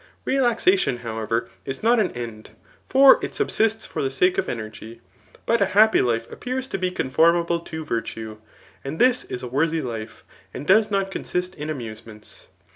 Relaxation, however, is not an end; for it sub^ts for the sake of energy. But a hiq>py }ife appears to be conformable to virtue ; and this fe a worthy life, and does not consist in amusements.